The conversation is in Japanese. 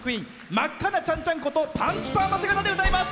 真っ赤なちゃんちゃんことパンチパーマ姿で歌います。